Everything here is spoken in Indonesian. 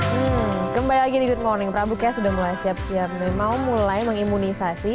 hai kembali lagi di good morning prabu kaya sudah mulai siap siap nih mau mulai mengimunisasi